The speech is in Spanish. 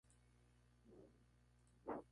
De administración privada es visitable previa cita.